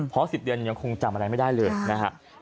เพราะ๑๐เดือนยังคงจำอะไรไม่ได้เลยนะครับ